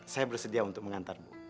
saya bersedia untuk mengantar bu